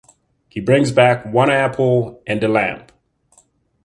He brings back one apple and the lamp.